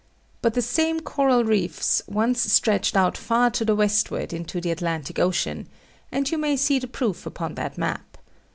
But the same coral reefs once stretched out far to the westward into the Atlantic Ocean; and you may see the proof upon that map.